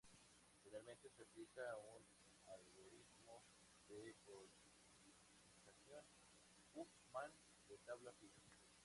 Finalmente, se aplica un algoritmo de codificación Huffman de tabla fija.